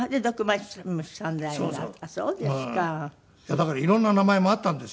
だから色んな名前もあったんですよ。